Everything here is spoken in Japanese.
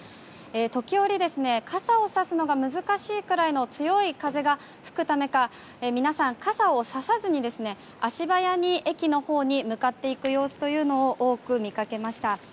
時折、傘をさすのが難しいくらいの強い風が吹くためか皆さん、傘をささずに足早に駅のほうに向かっていく様子というのを多く見かけました。